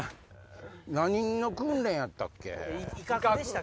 何の訓練やったっけ？